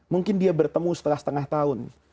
mungkin dia bertemu setelah setengah tahun